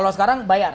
kalau sekarang bayar